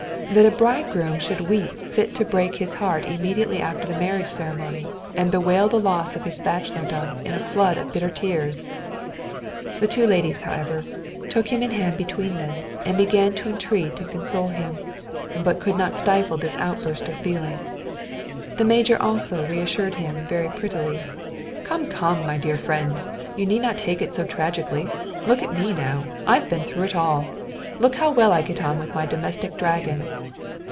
That a bridegroom should weep fit to break his heart immediately after the marriage ceremony, and bewail the loss of his bachelordom in floods of bitter tears! The two ladies, however, took him in hand between them, and began to entreat and console him, but he could not stifle this outburst of feeling. The major also reassured him very prettily: "Come, come, my dear friend, you need not take it so tragically. Look at me now! I've been through it all! Look how well I get on with my domestic dragon!"